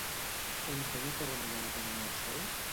On té un carrer anomenat en honor seu?